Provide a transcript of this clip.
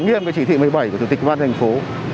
nghiêm chỉ thị một mươi bảy của chủ tịch văn hành phố